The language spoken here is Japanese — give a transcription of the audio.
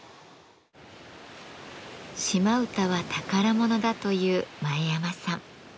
島唄は宝物だという前山さん。